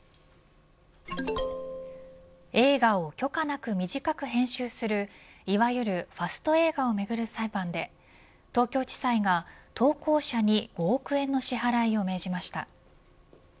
映画を許可なく短く編集するいわゆるファスト映画をめぐる裁判で東京地裁が、投稿者に５億円の支払いを命じました。